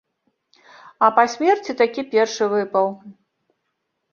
А па смерці такі першы выпаў.